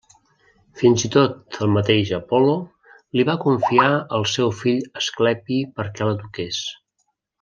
Fins i tot el mateix Apol·lo li va confiar al seu fill Asclepi perquè l'eduqués.